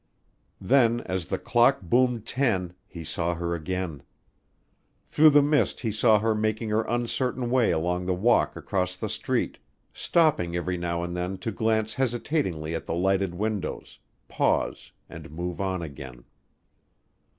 Then as the clock boomed ten he saw her again. Through the mist he saw her making her uncertain way along the walk across the street, stopping every now and then to glance hesitatingly at the lighted windows, pause, and move on again.